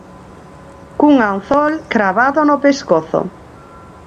Cun anzol cravado no pescozo.